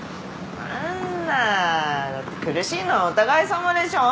そんな苦しいのはお互いさまでしょ。